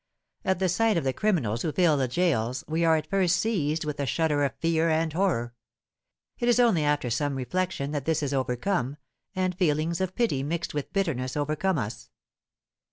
At the sight of the criminals who fill the gaols, we are at first seized with a shudder of fear and horror. It is only after some reflection that this is overcome, and feelings of pity mixed with bitterness overcome us.